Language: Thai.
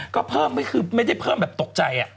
ก็เพิ่มก็คือไม่ได้เพิ่มแบบตกใจ